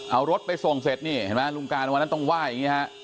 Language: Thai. เอารถไปส่งเสร็จนี่เห็นไหมลุงการวันนั้นต้องว่าอย่างนี้ฮะ